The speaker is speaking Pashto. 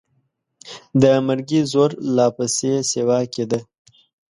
د مرګي زور لا پسې سیوا کېده.